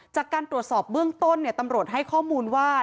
จากการตรวจสอบเบื้องต้นตำรวจให้ข้อมูลว่า